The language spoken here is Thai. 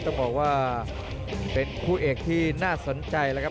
ต้องบอกว่าเป็นคู่เอกที่น่าสนใจแล้วครับ